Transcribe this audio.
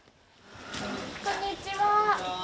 こんにちは。